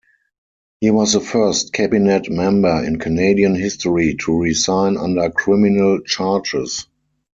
He was the first cabinet member in Canadian history to resign under criminal charges.